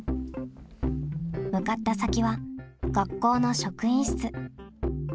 向かった先は学校の職員室。